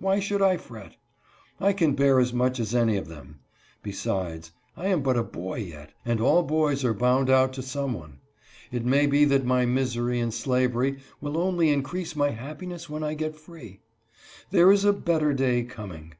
Why should I fret? I can bear as much as any of them. Besides I am but a boy yet, and all boys are bound out to some one. It may be that my misery in slavery will only increase my happiness when I get free. There is a better day coming."